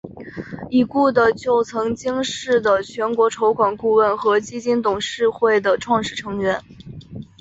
已故的就曾经是的全国筹款顾问和基金董事会的创始成员。